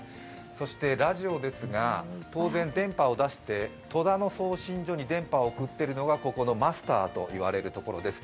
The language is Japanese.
そしてラジオですが、当然電波を出して送信所に電波を送っているのがここのマスターと言われるところです。